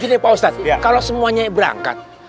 gini pak ustadz kalau semuanya berangkat